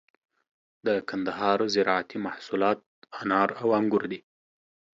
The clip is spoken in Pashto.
د کندهار زراعتي محصولات انار او انگور دي.